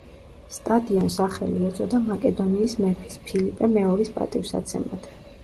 სტადიონს სახელი ეწოდა მაკედონიის მეფის, ფილიპე მეორის პატივსაცემად.